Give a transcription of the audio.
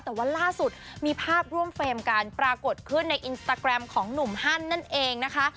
แต่ว่าล่าสุดมีภาพร่วมเฟรมกันปรากฏขึ้นในอินสตาแกรมของหนุ่มฮันนั่นเองนะคะ